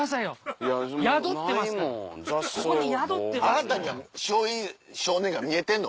あなたには松陰少年が見えてんの？